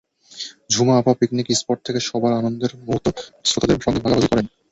ঝুমা আপা picnic spot থেকে সবার আনন্দের মুহূর্ত শ্রোতাদের সঙ্গে ভাগাভাগি করেন।